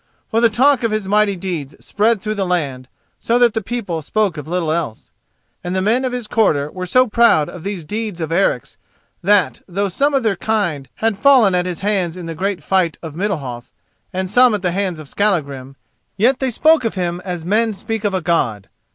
For the talk of his mighty deeds spread through the land, so that the people spoke of little else. And the men of his quarter were so proud of these deeds of Eric's that, though some of their kind had fallen at his hands in the great fight of Middalhof and some at the hands of Skallagrim, yet they spoke of him as men speak of a God.